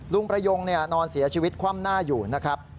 ประยงนอนเสียชีวิตคว่ำหน้าอยู่นะครับ